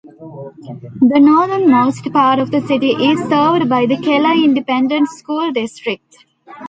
The northernmost part of the city is served by the Keller Independent School District.